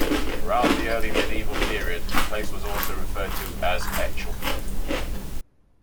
Throughout the early medieval period the place was also referred to as Echelford.